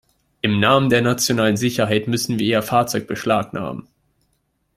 Im Namen der nationalen Sicherheit müssen wir Ihr Fahrzeug beschlagnahmen!